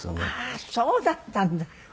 ああーそうだったんだ。